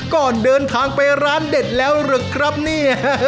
ก่อนเดินทางไปร้านเด็ดแล้วหรือครับเนี่ย